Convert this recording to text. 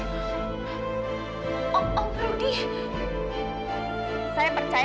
bapak bisa masuk penjara